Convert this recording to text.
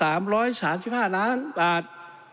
และมีที่ดินและอสังหาริมทรัพย์อีก๑๐๐กว่าล้านบาท